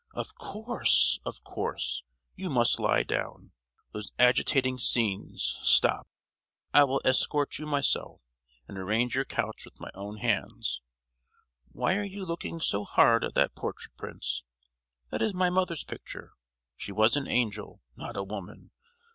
"Of course, of course! you must lie down! those agitating scenes——stop, I will escort you myself, and arrange your couch with my own hands! Why are you looking so hard at that portrait, Prince? That is my mother's picture; she was an angel—not a woman!